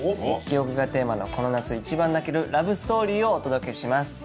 記憶がテーマのこの夏一番泣けるラブストーリーをお届けします。